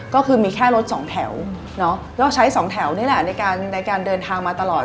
ก็คือมีแค่รถสองแถวก็ใช้สองแถวนี่แหละในการเดินทางมาตลอด